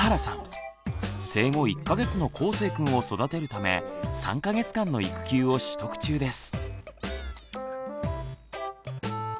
生後１か月のこうせいくんを育てるため３か月間の育休を取得中です。